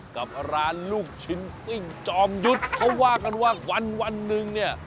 กับร้านลูกชิ้นปิ้งจอมยุทธ์เขาว่ากันว่าวันหนึ่งเนี่ย